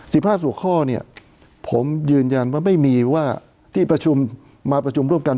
๑๕ส่วนข้อเนี่ยผมยืนยันไม่มีว่ามาประชุมร่วมกัน